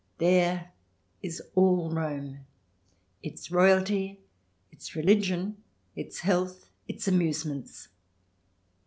There is all Rome, its royalty, its religion, its health, its amusements.